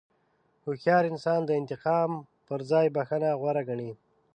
هوښیار انسان د انتقام پر ځای بښنه غوره ګڼي.